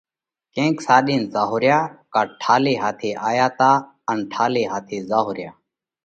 ڪينڪ ساڏينَ زائونه ريا ڪا ٺالي هاٿي آيا تا ان ٺالي هاٿي زائونه ريا؟